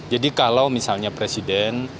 jadi kalau misalnya presiden